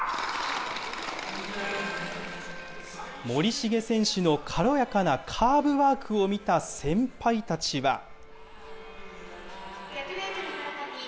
森重選手の軽やかなカーブワークを見た先輩たちは。